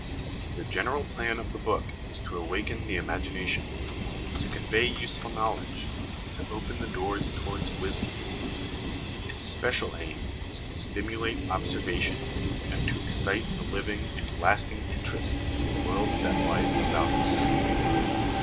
The general plan of the book is to awaken the imagination ; to convey useful knowledge ; to open the doors towards wisdom. Its special aim is to stimulate observation and to excite a living and lasting interest in the world that lies about us.